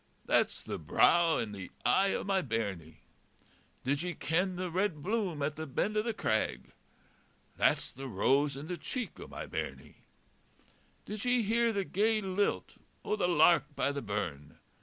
That's the brow and the eye o' my bairnie. Did ye ken the red bloom at the bend o' the crag? That's the rose in the cheek o' my bairnie. Did ye hear the gay lilt o' the lark by the burn?